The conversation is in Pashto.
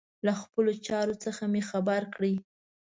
له خپلو چارو څخه مي خبر کړئ.